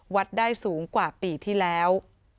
วัดได้สูงกว่าปีที่แล้ว